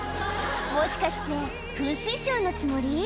もしかして、噴水ショーのつもり？